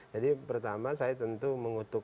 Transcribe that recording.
jadi pertama saya tentu mengutuk